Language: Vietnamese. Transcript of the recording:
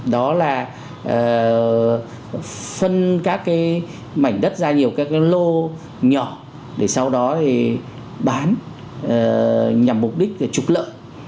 đó là phân các cái mảnh đất ra nhiều các cái lô nhỏ để sau đó thì bán nhằm mục đích để trục lợi